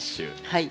はい。